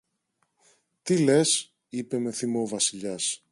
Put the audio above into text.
Τι λες; είπε με θυμό ο Βασιλιάς.